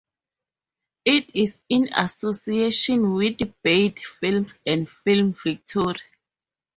It is in association with Baird Films and Film Victoria.